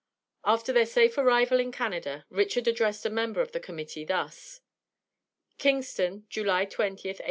After their safe arrival in Canada, Richard addressed a member of the Committee thus: KINGSTON, July 20, 1857.